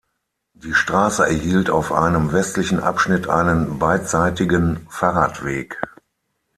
Die Straße erhielt auf einem westlichen Abschnitt einen beidseitigen Fahrradweg.